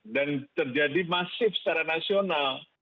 dan terjadi masif secara nasional